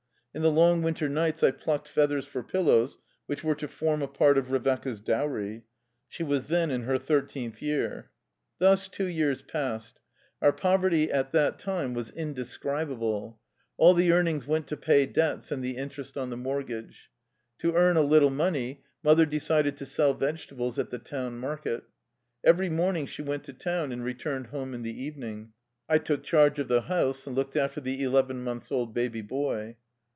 In the long winter nights I plucked feathers for pillows which were to form a part of Revecca's dowry ; she was then in her thirteenth year. Thus two years passed. Our poverty at that 14 о <^ ел rt )— 1 > У^ о ^ О J3 PQ СЛ Ь СЛ О СЛ w i о < J J 1— 1 > и THE LIFE STORY OF A RUSSIAN EXILE time was indescribable. All the earnings went to pay debts and the interest on the mortgage. To earn a little money, mother decided to sell vegetables at the town market. Every morning she went to town and returned home in the evening. I took charge of the house and looked after the eleven months old baby boy.